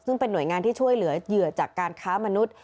ซึ่งเป็นหน่วยงานที่ช่วยเหลือเหยื่อจากการค้ามนุษย์